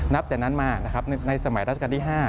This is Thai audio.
นับแต่นั้นมาในสมัยราชการที่๕